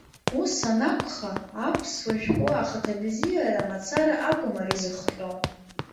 Ус анакәха, аԥсуа шәҟәы ахаҭабзиара мацара акәым ари зыхҟьо.